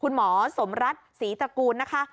คุณหมอสมรัฐศรีตระกูลนะคะ